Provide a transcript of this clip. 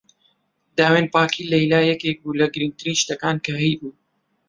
داوێنپاکیی لەیلا یەکێک بوو لە گرنگترین شتەکان کە هەیبوو.